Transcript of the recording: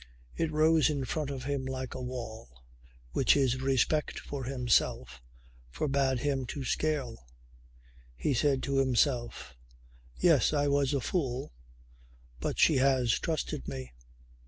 It rose in front of him like a wall which his respect for himself forbade him to scale. He said to himself: "Yes, I was a fool but she has trusted me!"